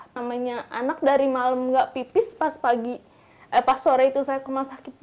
namanya anak dari malem gak pipis pas pagi eh pas sore itu saya ke rumah sakit